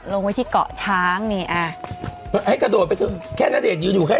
ลงไว้ที่เกาะช้างนี่อ่ะให้กระโดดไปเถอะแค่ณเดชนยืนอยู่แค่